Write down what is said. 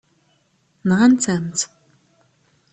Nɣant-am-tt.